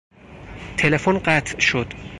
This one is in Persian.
تلفن قطع شد.